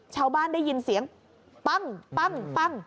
ชาวบ้านได้ยินเสียงปั้งปั้งปั้ง